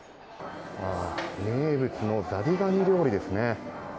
名物のザリガニ料理ですね。